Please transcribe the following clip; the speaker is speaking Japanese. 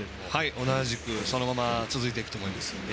同じくそのまま続いていくと思います。